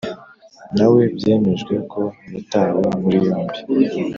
nawe byemejwe ko yatawe muri yombi.